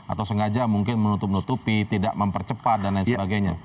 atau sengaja mungkin menutup nutupi tidak mempercepat dan lain sebagainya